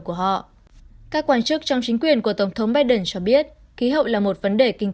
của họ các quan chức trong chính quyền của tổng thống biden cho biết khí hậu là một vấn đề kinh